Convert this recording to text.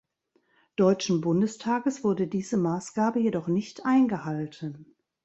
Deutschen Bundestages wurde diese Maßgabe jedoch nicht eingehalten.